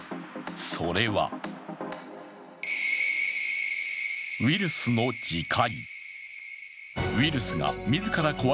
それは、ウイルスの自壊。